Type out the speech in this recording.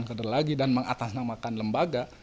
kalau bukan keder lagi dan mengatasnamakan lembaga